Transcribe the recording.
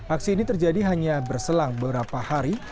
aksi ini terjadi hanya berselang beberapa hari